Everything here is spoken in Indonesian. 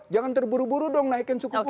jangan terburu buru dong naikin suku bunga